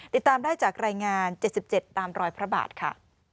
ติดตามได้จากรายงาน๗๗ตามรอยพระบาทค่ะ